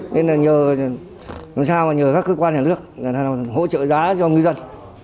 nên là nhờ các cơ quan nhà nước hỗ trợ giá cho ngư dân